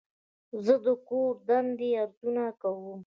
زه د کور دندې ارزونه کوم.